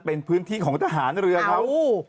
เป็นพื้นที่ของทหารเรือเขา